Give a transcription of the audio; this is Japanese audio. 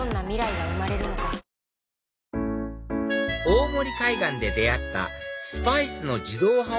大森海岸で出会ったスパイスの自販